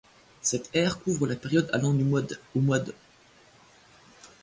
Cette ère couvre la période allant du mois d' au mois d'.